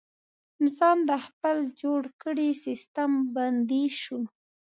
انسان د خپل جوړ کړي سیستم بندي شو.